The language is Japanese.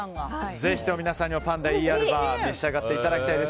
ぜひともパンダイーアルバーを召し上がっていただきたいです。